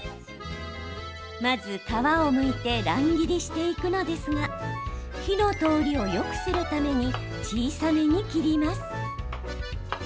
まず、皮をむいて乱切りしていくのですが火の通りをよくするために小さめに切ります。